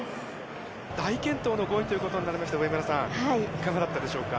大健闘の５位ということになりました、うえむらさん、いかがだったでしょうか。